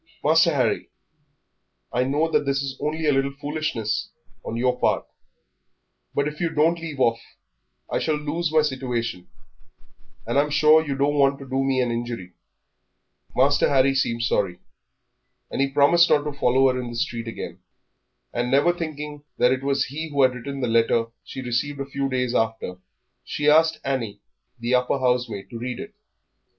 "Master Harry, I know that this is only a little foolishness on your part, but if you don't leave off I shall lose my situation, and I'm sure you don't want to do me an injury." Master Harry seemed sorry, and he promised not to follow her in the street again. And never thinking that it was he who had written the letter she received a few days after, she asked Annie, the upper housemaid, to read it.